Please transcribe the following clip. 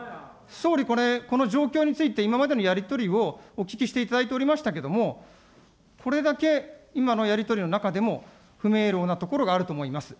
総理、これ、この状況について、今までのやり取りをお聞きしていただいておりましたけれども、これだけ今のやり取りの中でも不明朗なところがあると思います。